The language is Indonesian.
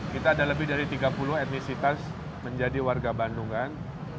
kita ada lebih dari tiga puluh etnisitas menjadi warga bandungan